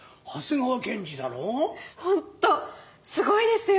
本当すごいですよ！